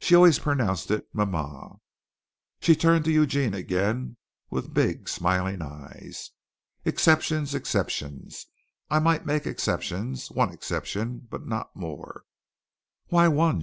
She always pronounced it "ma ma´." She turned to Eugene again with big smiling eyes. "Exceptions, exceptions. I might make exceptions one exception but not more." "Why one?"